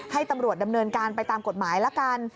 ให้ตำรวจดำเนินการไปตามกฎหมายละกัน